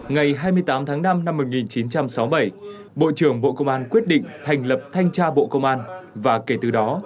ngày hai mươi tám tháng năm năm một nghìn chín trăm sáu mươi bảy bộ trưởng bộ công an quyết định thành lập thanh tra bộ công an và kể từ đó